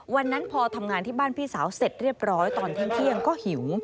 วันนั้นพอทำงานที่บ้านพี่สาวเสร็จเรียบร้อยตอนเที่ยงก็หิว